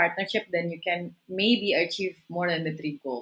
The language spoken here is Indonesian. diterapkan dengan lebih efisien misalnya